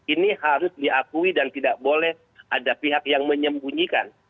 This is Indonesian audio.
ini harus diakui dan tidak boleh ada pihak yang menyembunyikan